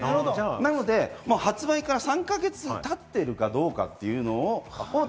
なので発売から３か月経っているかどうか。